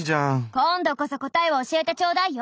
今度こそ答えを教えてちょうだいよ。